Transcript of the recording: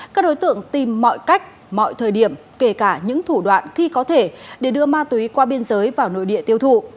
các đối tượng tìm mọi cách mọi thời điểm kể cả những thủ đoạn khi có thể để đưa ma túy qua biên giới vào nội địa tiêu thụ